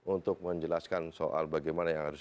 untuk menjelaskan soal bagaimana yang harus